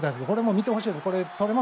見てほしいんです。